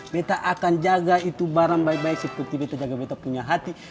beta akan jaga itu barang baik baik seperti beta jaga beta punya hati